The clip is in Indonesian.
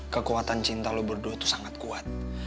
kekuatan cinta lo berdua itu sangat kuat